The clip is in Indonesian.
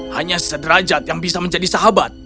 hanya sederajat yang bisa menjadi sahabat